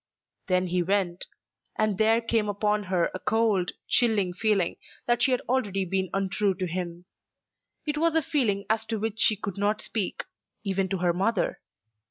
Then he went; and there came upon her a cold, chilling feeling that she had already been untrue to him. It was a feeling as to which she could not speak, even to her mother.